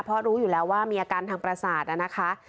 เพราะรู้อยู่แล้วว่ามีอาการทางประสาทนะคะ